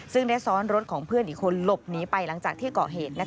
ซึ่งได้ซ้อนรถของเพื่อนอีกคนหลบหนีไปหลังจากที่เกาะเหตุ